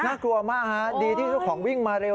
น่ากลัวมากฮะดีที่เจ้าของวิ่งมาเร็ว